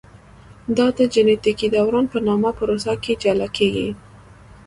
دا د جینټیکي دوران په نامه پروسه کې جلا کېږي.